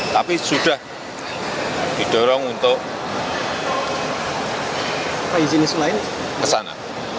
tapi sudah didorong untuk ke sana